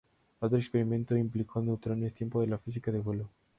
Otro experimento implicó neutrones tiempo de la física de vuelo.